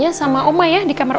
tapi kamu lagi di luar kamar